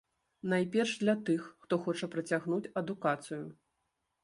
Найперш для тых, хто хоча працягнуць адукацыю.